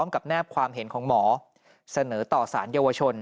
กับแนบความเห็นของหมอเสนอต่อสารเยาวชน